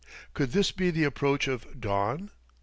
Could this be the approach of dawn?